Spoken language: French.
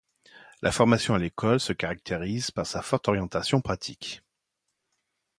La formation à l’école se caractérise par sa forte orientation pratique.